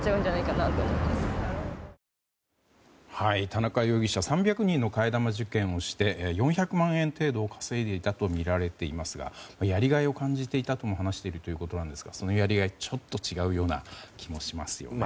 田中容疑者は３００人の替え玉受験をして４００万円程度稼いでいたとみられていますがやりがいを感じていたとも話しているということですがそのやりがいちょっと違うような気がしますよね。